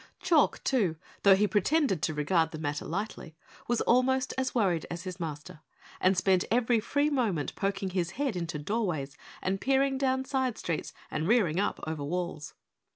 Chalk, too, though he pretended to regard the matter lightly, was almost as worried as his Master and spent every free moment poking his head into doorways and peering down side streets and rearing up over walls.